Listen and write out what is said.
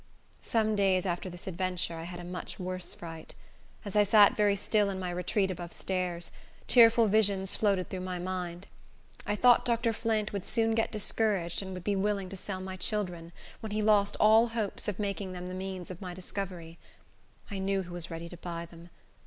Some days after this adventure I had a much worse fright. As I sat very still in my retreat above stairs, cheerful visions floated through my mind. I thought Dr. Flint would soon get discouraged, and would be willing to sell my children, when he lost all hopes of making them the means of my discovery. I knew who was ready to buy them.